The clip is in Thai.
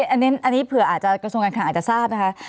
อันนี้เผื่ออาจจะกระทรวงการคลังอาจจะทราบนะคะ